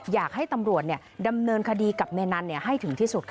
อยากให้ตำรวจดำเนินคดีกับในนั้นให้ถึงที่สุดค่ะ